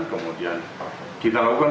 kemudian kita lakukan